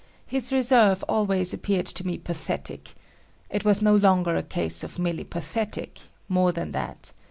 His reserve always appeared to me pathetic. It was no longer a case of merely pathetic; more than that.